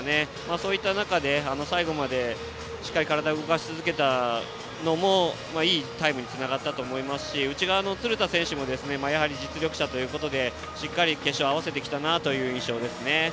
そういった中で最後までしっかり体を動かし続けたのもいいタイムにつながったと思いますし内側の鶴田選手も実力者ということでしっかり決勝に合わせてきた印象ですね。